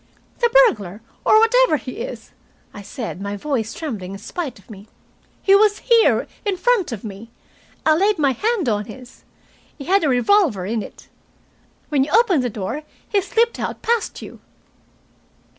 "The burglar, or whatever he is," I said, my voice trembling in spite of me. "He was here, in front of me. I laid my hand on his. He had a revolver in it. When you opened the door, he slipped out past you."